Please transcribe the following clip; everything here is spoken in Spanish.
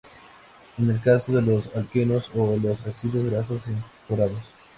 Es el caso de los alquenos o los ácidos grasos insaturados.